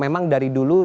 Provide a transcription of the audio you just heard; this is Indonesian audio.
memang dari dulu